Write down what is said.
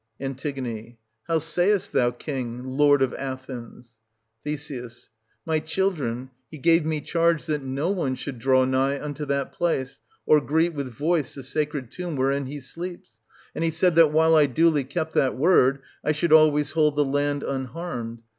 An. How sayest thou, king, lord of Athens ? 1760 Th. My children, he gave me charge that no one should draw nigh unto that place, or greet with voice the sacred tomb wherein he sleeps. And he said that, while I duly kept that word, I should always hold the land unharmed.